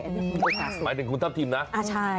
อย่างแรกเลยก็คือการทำบุญเกี่ยวกับเรื่องของพวกการเงินโชคลาภ